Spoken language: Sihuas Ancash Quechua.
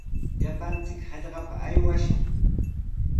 Llapallanchik hallpapa aywashun.